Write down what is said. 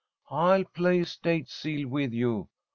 "I'll play 'State seal' with you.